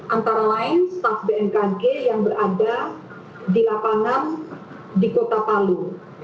antara lain staff bmkg yang berada di lapangan di kota palu